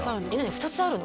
２つあるの？